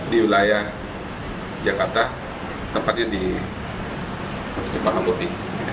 di wilayah jakarta tempatnya di cempaka putih